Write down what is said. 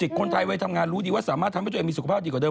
คนไทยวัยทำงานรู้ดีว่าสามารถทำให้ตัวเองมีสุขภาพดีกว่าเดิ